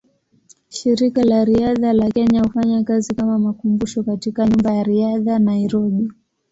Shirika la Riadha la Kenya hufanya kazi kama makumbusho katika Nyumba ya Riadha, Nairobi.